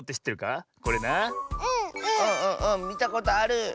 みたことある！